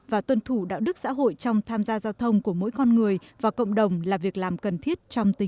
và tuân thủ đạo đức xã hội trong tham gia giao thông